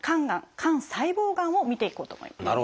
肝細胞がんを見ていこうと思います。